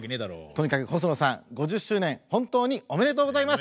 とにかく細野さん５０周年本当におめでとうございます！